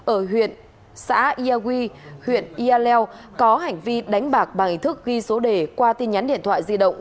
ở huyện yaleo có hành vi đánh bạc bằng hình thức ghi số đề qua tin nhắn điện thoại di động